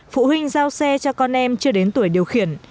phụ huynh giao xe cho con em chưa đến tuổi điều khiển